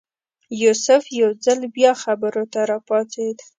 یوسف یو ځل بیا خبرو ته راپاڅېد.